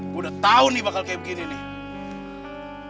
gue udah tau nih bakal kayak begini nih